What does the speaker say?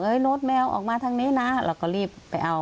โน้ตแมวออกมาทางนี้นะเราก็รีบไปเอา